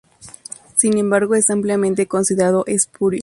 Sin embargo, es ampliamente considerado espurio.